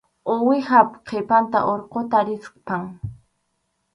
Uwihap qhipanta urquta rispam.